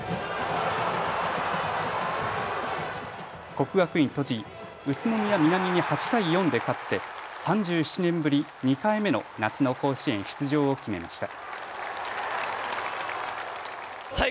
国学院栃木、宇都宮南に８対４で勝って３７年ぶり２回目の夏の甲子園出場を決めました。